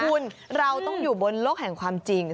คุณเราต้องอยู่บนโลกแห่งความจริง